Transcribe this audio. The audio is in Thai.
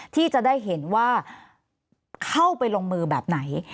ที่จะได้เห็นว่าเข้าไปลงมือแบบไหน